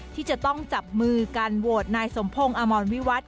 ที่จะต้องจับมือการโหวตนายสมพงศ์อมรวิวัตร